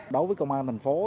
đối với công an thành phố